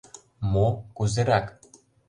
МО. кузерак?